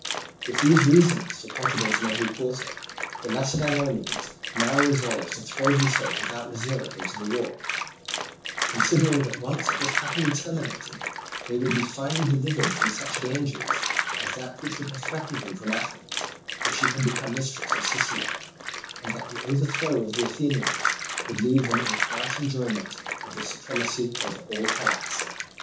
With these reasons for confidence in every quarter, the Lacedaemonians now resolved to throw themselves without reserve into the war, considering that, once it was happily terminated, they would be finally delivered from such dangers as that which would have threatened them from Athens, if she had become mistress of Sicily, and that the overthrow of the Athenians would leave them in quiet enjoyment of the supremacy over all Hellas.